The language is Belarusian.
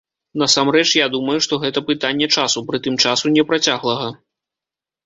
Насамрэч я думаю, што гэта пытанне часу, прытым часу непрацяглага.